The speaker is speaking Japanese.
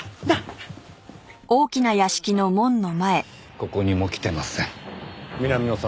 ここにも来てません。